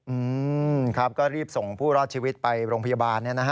อืมครับก็รีบส่งผู้รอดชีวิตไปโรงพยาบาลเนี่ยนะฮะ